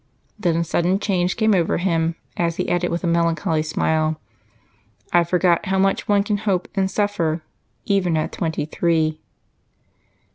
Then a sudden change came over him as he added with a melancholy smile, "I forget how much one can hope and suffer, even at twenty three."